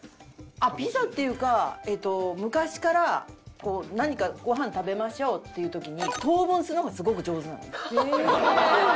ピザっていうかえっと昔から何かごはん食べましょうっていう時に等分するのがすごく上手なのよ。